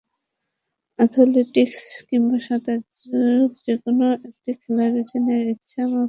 Athletics কিংবা সাঁতার—যেকোনো একটি খেলাকে বেছে নেওয়ার ইচ্ছা মাহফুজারও ছিল ছোট থেকেই।